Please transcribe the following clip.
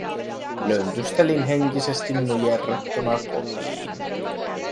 Löntystelin henkisesti nujerrettuna kotiin.